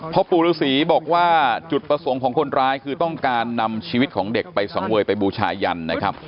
พ่อปู่ฤษีบอกว่าจุดประสงค์ของคนร้ายคือต้องการนำชีวิตของเด็กไปสังเวยไปบูชายันนะครับ